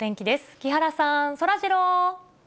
木原さん、そらジロー。